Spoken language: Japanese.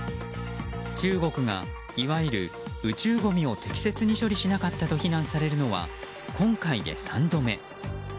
中国がいわゆる宇宙ごみを適切に処理しなかったと非難されるのは今回で３度目。